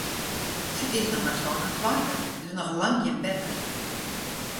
Se is noch mar sân en tweintich, dus noch lang gjin beppe.